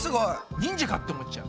忍者かって思っちゃう。